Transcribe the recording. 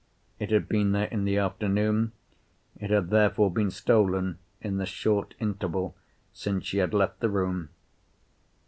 It had been there in the afternoon, it had therefore been stolen in the short interval since she had left the room.